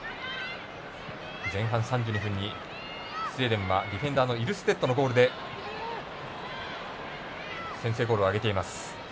前半３２分にスウェーデンはディフェンダーのイルステッドのゴールで先制ゴールを挙げています。